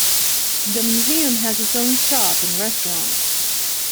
The museum has its own shop and restaurant.